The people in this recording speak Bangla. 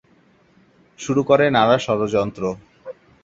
শুরু করে নানা ষড়যন্ত্র।